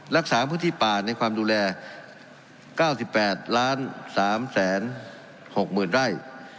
รักษาพื้นที่ป่าในความดูแล๙๘๓๖๐๐๐ไร่